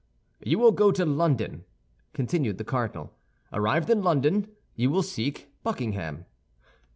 "You will go to London," continued the cardinal. "Arrived in London, you will seek Buckingham."